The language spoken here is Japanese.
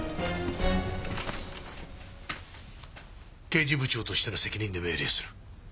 刑事部長としての責任で命令する。